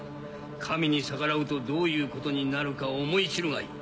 神に逆らうとどういうことになるか思い知るがいい。